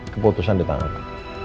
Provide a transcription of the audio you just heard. keputusan di tanganku